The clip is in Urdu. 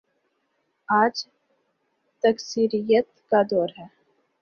آج تکثیریت کا دور ہے۔